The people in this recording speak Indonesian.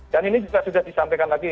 dan ini juga sudah disampaikan lagi